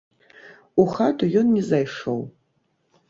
У хату ён не зайшоў.